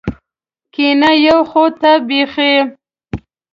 کېنه یو خو ته بېخي.